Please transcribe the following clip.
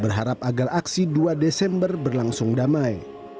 berharap agar aksi dua desember berlangsung damai